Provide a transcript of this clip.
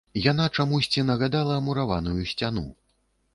Яна чамусьці нагадала мураваную сцяну.